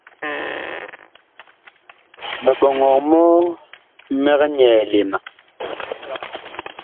Miɓɔŋɔg mɔɔ mig nyɛɛle ma.